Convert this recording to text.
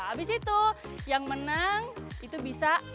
habis itu yang menang itu bisa saling adu